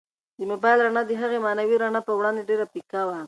د موبایل رڼا د هغې معنوي رڼا په وړاندې ډېره پیکه وه.